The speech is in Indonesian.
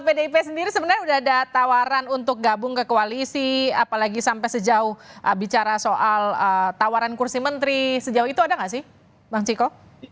pdip sendiri sebenarnya sudah ada tawaran untuk gabung ke koalisi apalagi sampai sejauh bicara soal tawaran kursi menteri sejauh itu ada nggak sih bang ciko